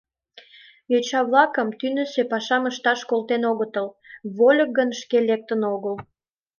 Йоча-влакым тӱнысӧ пашам ышташ колтен огытыл, вольык гын шке лектын огыл.